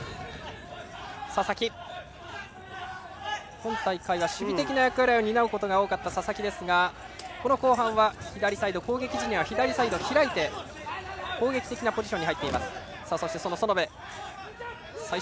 今大会は守備的な役割を担うことが多かった佐々木ですが、この後半は攻撃時は左サイドに開いて攻撃的なポジション。